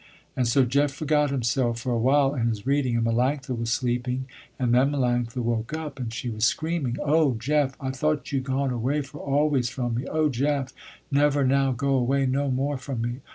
And so Jeff forgot himself for awhile in his reading, and Melanctha was sleeping. And then Melanctha woke up and she was screaming. "Oh, Jeff, I thought you gone away for always from me. Oh, Jeff, never now go away no more from me.